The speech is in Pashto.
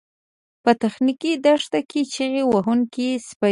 په تخنیکي دښته کې چیغې وهونکي سپي